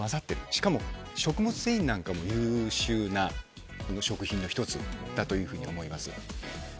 しかも食物繊維なんかも優秀な食品の１つだというふうに思います。